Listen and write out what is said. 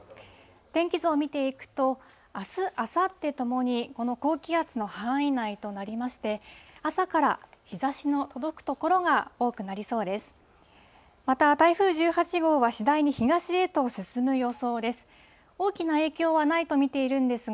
天気図を見ていくと、あす、あさってともに、この高気圧の範囲内となりまして、朝から日ざしの届く所が多くなりそうです。